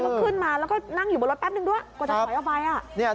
แล้วขึ้นมาแล้วก็นั่งอยู่บนรถแป๊บนึงด้วยกว่าจะถอยออกไป